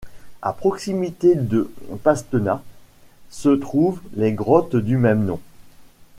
À proximité de Pastena se trouvent les grottes du même nom.